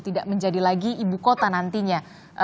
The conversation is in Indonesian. tidak menjadi lagi ibukota nantinya